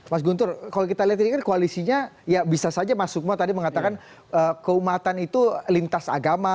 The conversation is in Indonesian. mas guntur kalau kita lihat ini kan koalisinya ya bisa saja mas sukma tadi mengatakan keumatan itu lintas agama